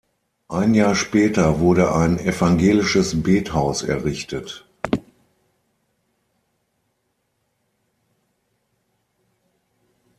Ein Jahr später wurde ein evangelisches Bethaus errichtet.